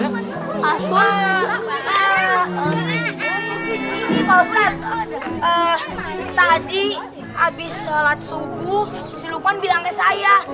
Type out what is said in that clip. eh tadi abis shalat subuh si lukman bilang ke saya